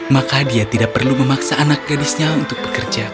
maka dia tidak perlu memaksa anak gadisnya untuk bekerja